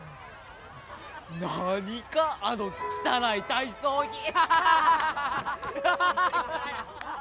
何かあの汚い体操着！